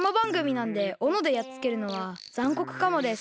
なんでおのでやっつけるのはざんこくかもです。